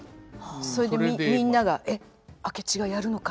それでみんなが「えっ明智がやるのか？」